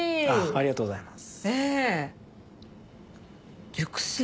ありがとうございます。